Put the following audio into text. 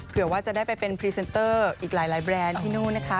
เผื่อว่าจะได้ไปเป็นพรีเซนเตอร์อีกหลายแบรนด์ที่นู่นนะคะ